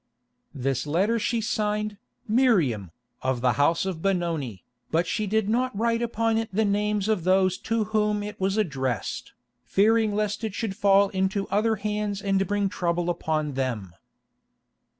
This letter she signed, "Miriam, of the house of Benoni," but she did not write upon it the names of those to whom it was addressed, fearing lest it should fall into other hands and bring trouble upon them.